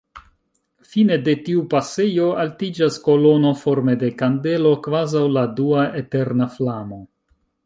Fine de tiu pasejo altiĝas kolono forme de kandelo, kvazaŭ la dua eterna flamo.